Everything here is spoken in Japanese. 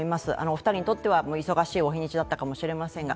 お二人にとっては忙しいお日にちだったかもしれませんが。